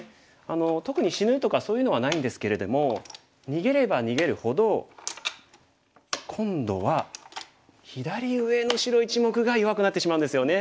特に死ぬとかそういうのはないんですけれども逃げれば逃げるほど今度は左上の白１目が弱くなってしまうんですよね。